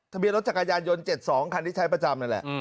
เบียรถจักรยานยนต์๗๒คันที่ใช้ประจำนั่นแหละ